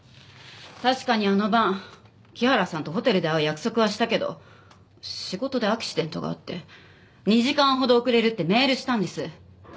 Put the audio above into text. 確かにあの晩木原さんとホテルで会う約束はしたけど仕事でアクシデントがあって２時間ほど遅れるってメールしたんです。